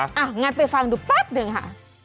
อย่างนั้นไปฟังดูแป๊บหนึ่งค่ะ